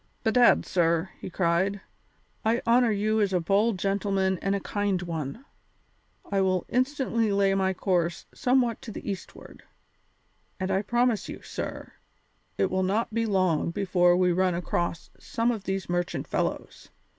"Bedad, sir," he cried, "I honour you as a bold gentleman and a kind one. I will instantly lay my course somewhat to the eastward, and I promise you, sir, it will not be long before we run across some of these merchant fellows.